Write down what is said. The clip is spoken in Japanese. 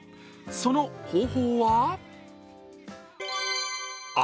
その方法は？